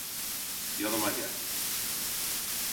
Yanıma gel.